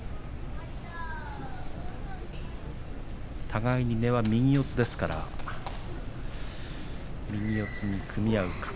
互いに根は右四つですから右四つに組み合うか。